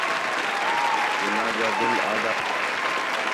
کہ نا جا دِل آہدا پِیا ہِے